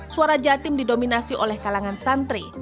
suara jatim didominasi oleh kalangan santri